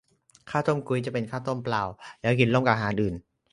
ข้าวต้มกุ๊ย จะเป็นข้าวต้มเปล่า แล้วกินร่วมกับอาหารอื่น